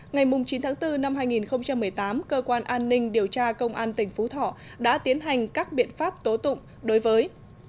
ngày chín tháng bốn năm hai nghìn một mươi tám cơ quan an ninh điều tra công an tỉnh phú thọ đã tiến hành các biện pháp tố tụng đối với